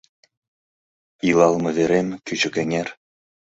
Илалалме верем - Кӱчыкэҥер.